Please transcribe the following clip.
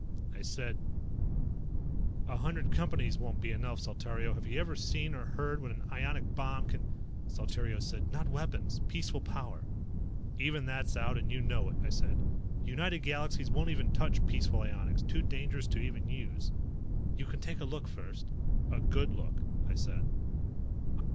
I said, "A hundred Companies won't be enough. Saltario, have you ever seen or heard what an ionic bomb can ..." Saltario said, "Not weapons, peaceful power." "Even that's out and you know it," I said. "United Galaxies won't even touch peaceful ionics, too dangerous to even use." "You can take a look first." "A good look," I said.